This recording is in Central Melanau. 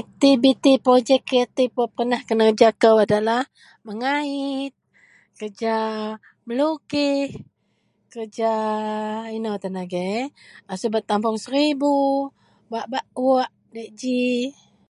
Aktiviti projek kreatif wak pernah kenerja kou adalah mengait kerja melukih kerja ino tan agei subet tapong seribu wak bak ouk fiyak ji